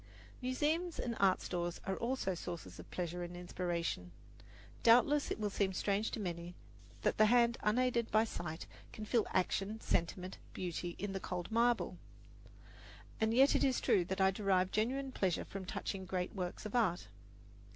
Museums and art stores are also sources of pleasure and inspiration. Doubtless it will seem strange to many that the hand unaided by sight can feel action, sentiment, beauty in the cold marble; and yet it is true that I derive genuine pleasure from touching great works of art.